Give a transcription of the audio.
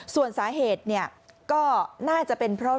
ส่วนสาเหตุเนี่ยก็น่าจะเป็นเพราะ